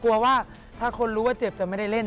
กลัวว่าถ้าคนรู้ว่าเจ็บจะไม่ได้เล่น